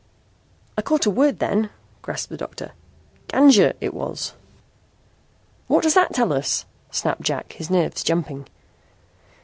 "I caught a word then," gasped the doctor. "'Ganja,' it was." "What does that tell us?" snapped Jack, his nerves jumping.